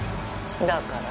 だから？